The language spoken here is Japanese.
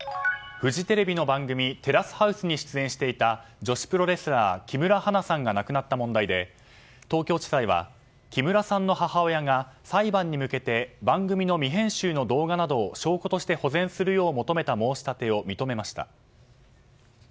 フジテレビの番組「テラスハウス」に出演していた女子プロレスラー、木村花さんが亡くなった問題で東京地裁は木村さんの母親が裁判に向けて番組の未編集の動画などを証拠として保全するようした申し立てを認めました。